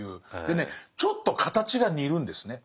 でねちょっと形が似るんですね。